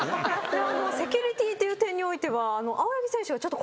セキュリティという点においては。